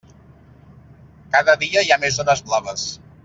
Cada dia hi ha més zones blaves.